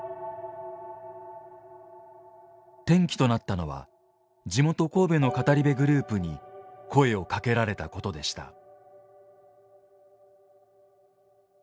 転機となったのは地元神戸の語り部グループに声をかけられたことでした。